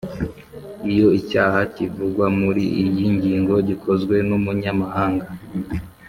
iyo icyaha kivugwa muri iyi ngingo gikozwe n’umunyamahanga,